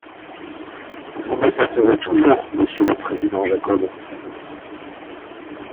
Vous m’épaterez toujours, Monsieur le Président Jacob.